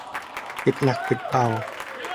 ปิดหนักปิดเบา